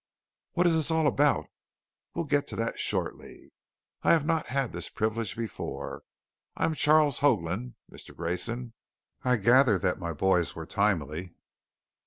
"What is this all about?" "We'll get to that shortly. I have not had this privilege before; I am Charles Hoagland, Mister Grayson. I gather that my boys were timely."